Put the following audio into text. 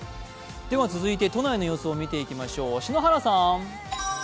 続いて都内の様子を見ていきましょう。